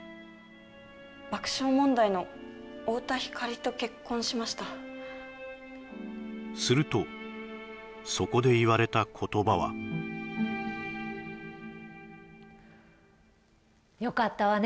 爆笑問題の太田光と結婚しましたするとそこで言われた言葉はよかったわね